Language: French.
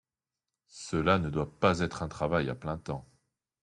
Cela ne doit pas être un travail à plein temps.